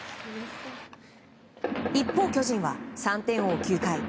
一方、巨人は３点を追う９回。